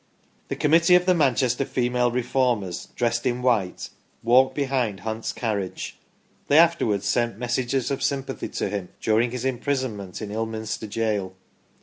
The Committee of the Manchester Female Reformers, dressed in white, walked behind Hunt's carriage. They afterwards sent messages of sympathy to him, during his imprisonment in Ilminster jail.